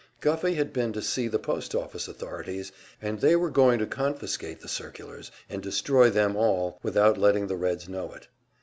Guffey had been to see the post office authorities, and they were going to confiscate the circulars and destroy them all without letting the Reds know it.